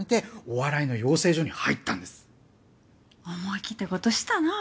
思い切ったことしたなぁ。